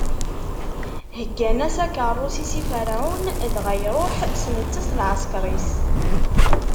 Heggan-as akeṛṛus-is i Ferɛun, dɣa iṛuḥ, s netta, s lɛeskeṛ-is.